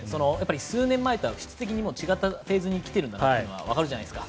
数年前とは質的にも違ったフェーズに来ていることがわかるじゃないですか。